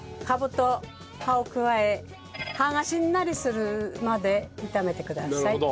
カブと葉を加え葉がしんなりするまで炒めてください。